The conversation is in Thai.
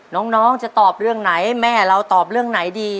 น้องจะตอบเรื่องไหนแม่เราตอบเรื่องไหนดี